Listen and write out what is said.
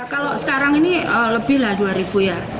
kalau sekarang ini lebih lah dua ribu ya